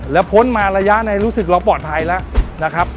แล้วพ้นมาระยะในรู้สึกเราปลอดภัยแล้วนะครับ